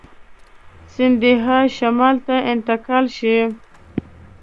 سیندهیا شمال ته انتقال شي.